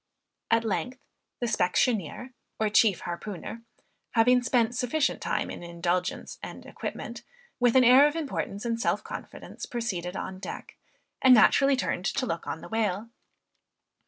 At length, the specksioneer, or chief harpooner, having spent sufficient time in indulgence and equipment, with an air of importance and self confidence, proceeded on deck, and naturally turned to look on the whale.